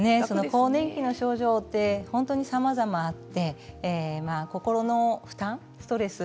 更年期の症状は本当にさまざまあって心の負担、ストレス